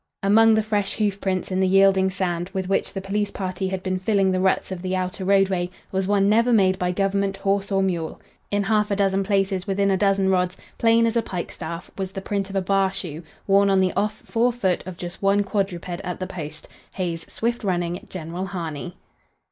Among the fresh hoof prints in the yielding sand, with which the police party had been filling the ruts of the outer roadway, was one never made by government horse or mule. In half a dozen places within a dozen rods, plain as a pikestaff, was the print of a bar shoe, worn on the off fore foot of just one quadruped at the post Hay's swift running "General Harney."